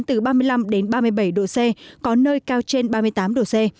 từ ba mươi năm đến ba mươi bảy độ c có nơi cao trên ba mươi tám độ c